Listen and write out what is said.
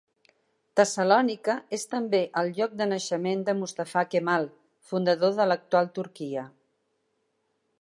Tessalònica és també el lloc de naixement de Mustafa Kemal, fundador de l'actual Turquia.